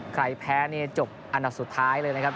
ใครแพ้จบอันดับสุดท้ายเลยนะครับ